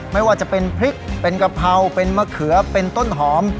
ไม่ว่าจะเป็นพริกเป็นกะเพราเป็นมะเขือเป็นต้นหอม